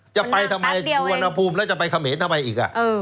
จะไปทำไมสุวรรณภูมิแล้วจะไปเขมรทำไมอีก